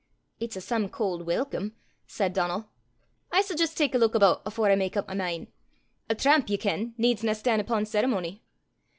"It's a some cauld welcome!" said Donal. "I s' jist tak a luik aboot afore I mak up my min'. A tramp, ye ken, needsna stan' upo' ceremony."